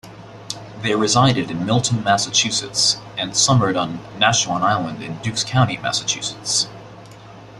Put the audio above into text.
They resided in Milton, Massachusetts, and summered on Naushon Island in Dukes County, Massachusetts.